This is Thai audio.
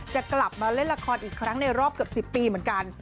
จะกลับมาเล่นละครอีกครั้งในรอบเกือบ๑๐ปีเหมือนกัน